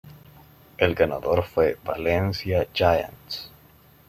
El ganador fue Valencia Giants.